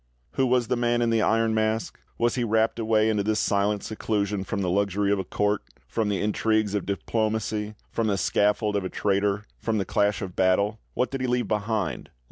Who was the Man in the Mask? Was he rapt away into this silent seclusion from the luxury of a court, from the intrigues of diplomacy, from the scaffold of a traitor, from the clash of battle? What did he leave behind?